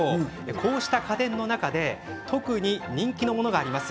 こうした家電の中で特に人気のものがあります。